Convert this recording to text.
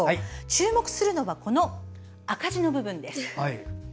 注目するのは赤字の部分です。